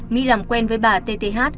mỹ làm quen với bà t t h